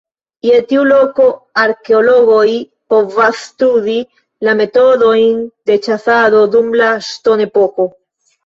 Je tiu loko arkeologoj povas studi la metodojn de ĉasado dum la ŝtonepoko.